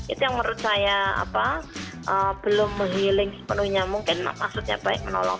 itu yang menurut saya belum mengheling sepenuhnya mungkin maksudnya baik menolong